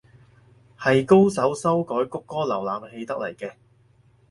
係高手修改谷歌瀏覽器得嚟嘅